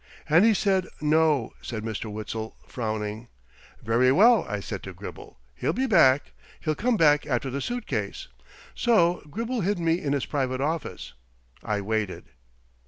"And he said, 'No,'" said Mr. Witzel, frowning. "'Very well,' I said to Gribble, 'he'll be back. He'll come back after the suitcase.' So Gribble hid me in his private office. I waited."